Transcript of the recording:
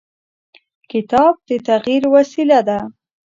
کتاب د تغیر وسیله ده.